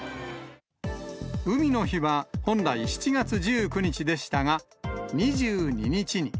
海の日は、本来７月１９日でしたが、２２日に。